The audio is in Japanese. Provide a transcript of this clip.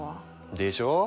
でしょ！